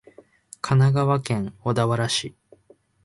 神奈川県小田原市